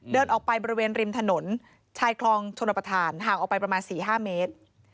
เดินออกไปบริเวณริมถนนชายคลองชนประธานห่างออกไปประมาณ๔๕เมตร